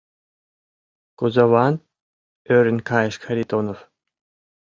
— Кузован? — ӧрын кайыш Харитонов.